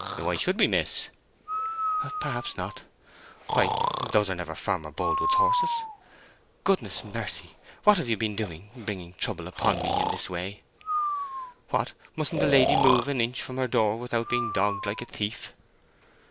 "Why should we, miss?" "Perhaps not. Why, those are never Farmer Boldwood's horses! Goodness mercy! what have you been doing—bringing trouble upon me in this way? What! mustn't a lady move an inch from her door without being dogged like a thief?"